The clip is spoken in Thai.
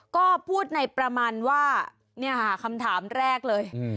ก็พูดในประมาณว่าขำถามแรกเลย